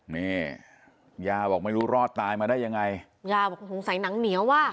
นี่ย่าบอกไม่รู้รอดตายมาได้ยังไงย่าบอกสงสัยหนังเหนียวว่ะ